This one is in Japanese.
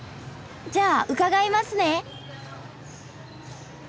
じゃあ伺いますね。